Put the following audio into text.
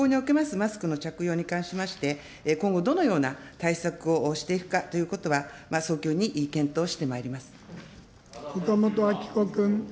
マスクの着用に関しまして、今後、どのような対策をしていくかということは、早急に検討して岡本あき子君。